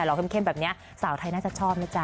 เข้มแบบนี้สาวไทยน่าจะชอบนะจ๊